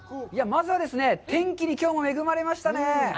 まずはですね、天気にきょうも恵まれましたね。